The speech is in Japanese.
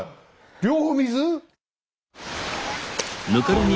両方水？